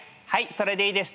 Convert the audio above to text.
それでいいです。